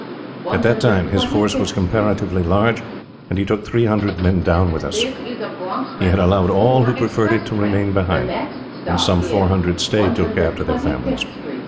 At that time, his force was comparatively large, and he took three hundred men down with us. He had allowed all who preferred it to remain behind; and some four hundred stayed to look after their families.